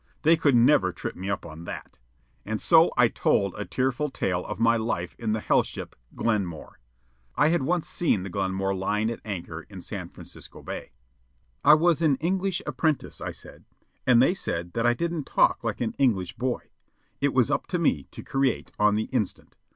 They could never trip me up on that. And so I told a tearful tale of my life on the hell ship Glenmore. (I had once seen the Glenmore lying at anchor in San Francisco Bay.) I was an English apprentice, I said. And they said that I didn't talk like an English boy. It was up to me to create on the instant.